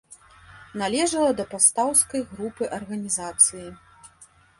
Належала да пастаўскай групы арганізацыі.